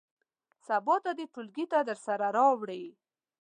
سبا ته دې ټولګي ته درسره راوړي.